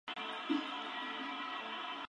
Esta unión con Austria supuso una germanización.